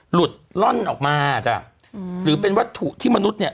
หลุดล่อนออกมาจ้ะอืมหรือเป็นวัตถุที่มนุษย์เนี่ย